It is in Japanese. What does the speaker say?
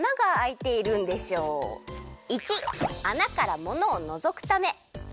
①あなからものをのぞくため。